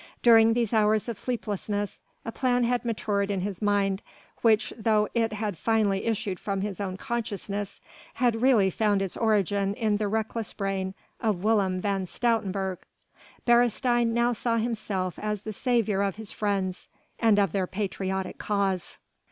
During these hours of sleeplessness a plan had matured in his mind which though it had finally issued from his own consciousness had really found its origin in the reckless brain of Willem van Stoutenburg. Beresteyn now saw himself as the saviour of his friends and of their patriotic cause.